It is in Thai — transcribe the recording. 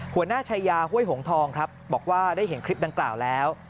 หัวหน้าชายาห้วยหงทองครับบอกว่าได้เห็นคลิปดังกล่าวแล้ว